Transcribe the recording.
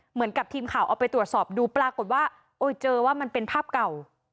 เหมือนกับทีมข่าวเอาไปตรวจสอบดูปรากฏว่าโอ้ยเจอว่ามันเป็นภาพเก่า